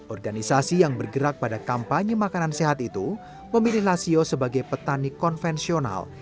organisasi yang bergerak pada kampanye makanan sehat itu memilih lasio sebagai petani konvensional